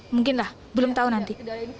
mungkin lah belum tahu nanti